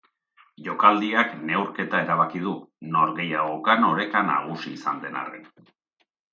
Jokaldiak neurketa erabaki du, norgehiagokan oreka nagusi izan den arren.